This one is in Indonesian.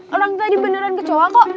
orang tadi beneran kecewa kok